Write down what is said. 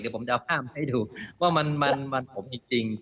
เดี๋ยวผมจะเอาภาพให้ดูว่ามันผมจริง